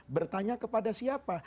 bertanya kepada siapa